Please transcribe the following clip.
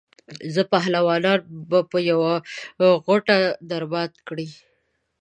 زما پهلوانان به په یوه غوټه درمات کړي.